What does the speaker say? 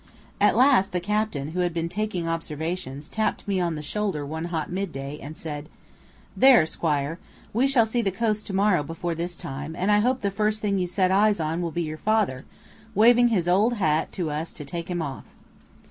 At last the captain, who had been taking observations, tapped me on the shoulder one hot mid day, and said: "There, squire, we shall see the coast to morrow before this time, and I hope the first thing you set eyes on will be your father, waving his old hat to us to take him off."